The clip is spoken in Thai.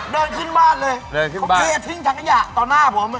เดินขึ้นบ้านเลยโอเคทิ้งถังขยะต่อหน้าผม